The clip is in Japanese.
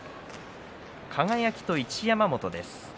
輝と一山本です。